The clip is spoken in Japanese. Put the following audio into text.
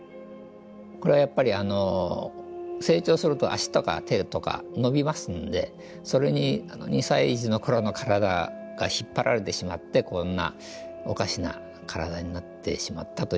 これはやっぱり成長すると足とか手とか伸びますんでそれに２歳児の頃の体が引っ張られてしまってこんなおかしな体になってしまったという。